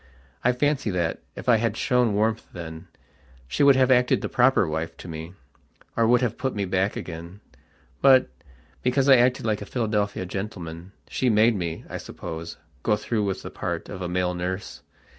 I fancy that, if I had shown warmth then, she would have acted the proper wife to me, or would have put me back again. But, because I acted like a Philadelphia gentleman, she made me, I suppose, go through with the part of a male nurse.